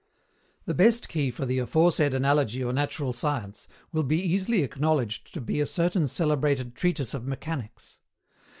The best key for the aforesaid analogy or natural Science will be easily acknowledged to be a certain celebrated Treatise of Mechanics.